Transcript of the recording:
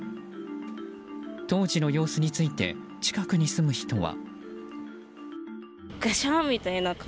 当時の様子について近くに住む人は。